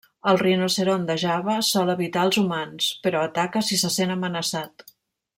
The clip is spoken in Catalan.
El rinoceront de Java sol evitar els humans, però ataca si se sent amenaçat.